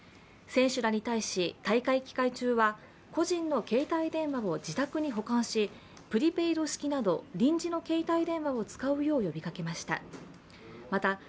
選手らに対し、大会期間中は個人の携帯電話を自宅に保管しプリペイド式など臨時の携帯電話を使うよう呼びかけました。